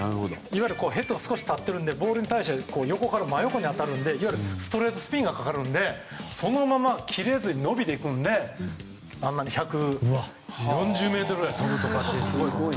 ヘッドが少し立っているのでボールに対して真横に当たってストレートスピンがかかるのでそのまま切れずに伸びていくので１４０ｍぐらい飛ぶんですよ。